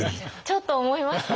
ちょっと思いましたね。